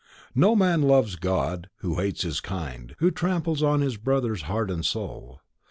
_ No man loves God who hates his kind, Who tramples on his Brother's heart and soul.